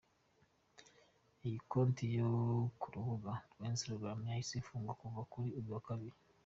Iyi konti yo ku rubuga rwa Instagram yahise ifungwa kuva kuri uyu wa Kabiri.